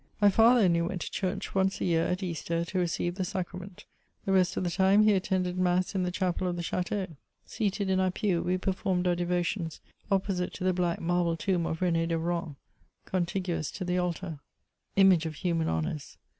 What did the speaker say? My father only went to church once a year, at Easter, to receive the Sacrament; the rest of the time he attended Mass in the chapel of the ch^eau. Seated in our pew, we performed our devotions opposite to the black marble tomb of Ren^ de Rohan, contiguous to the altar; image of human honours